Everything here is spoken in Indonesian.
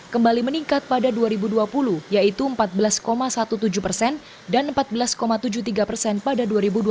kembali meningkat pada dua ribu dua puluh yaitu empat belas tujuh belas persen dan empat belas tujuh puluh tiga persen pada dua ribu dua puluh